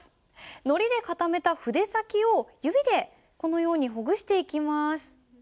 のりで固めた筆先を指でこのようにほぐしていきます。